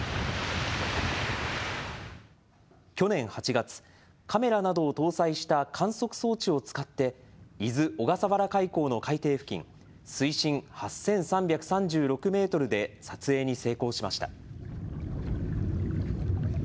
去年８月、カメラなどを搭載した観測装置を使って伊豆・小笠原海溝の海底付近、水深８３３６メートルで撮影に成功しました。